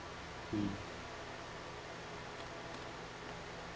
うん。